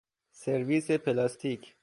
سرویس پلاستیک